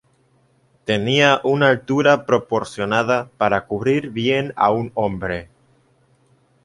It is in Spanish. Tenía una altura proporcionada para cubrir bien a un hombre.